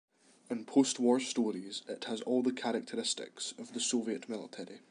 In post-war stories it has all the characteristics of the Soviet military.